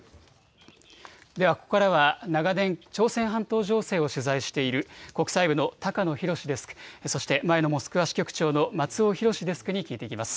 ではここからは長年、朝鮮半島情勢を取材している国際部の高野洋デスク、そして前のモスクワ支局長の松尾寛デスクに聞いていきます。